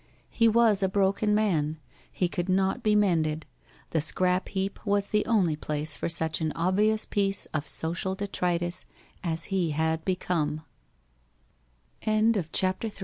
lie was a broken man, he could not be mended, the scrap heap was the only place for such an obvious piece of social detritus as he had beco